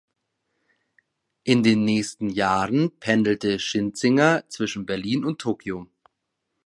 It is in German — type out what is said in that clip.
In den nächsten Jahren pendelte Schinzinger zwischen Berlin und Tokyo.